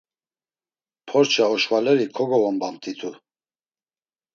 Porça, oşvaleri kogovombamt̆itu.